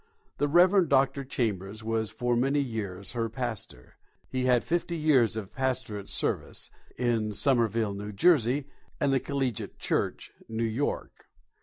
The Reverend Dr. Chambers was for many years her pastor. He had fifty years of pastorate service, in Somerville, N.J., and the Collegiate Church, New York.